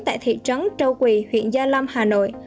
tại thị trấn châu quỳ huyện gia lâm hà nội